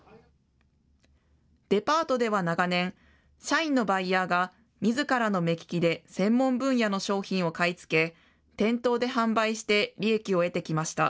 デパートでは長年、社員のバイヤーが、みずからの目利きで専門分野の商品を買い付け、店頭で販売して、利益を得てきました。